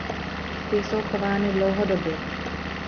Ty jsou chovány dlouhodobě.